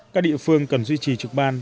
các địa phương cần duy trì trực ban